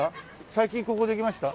最近ここできました？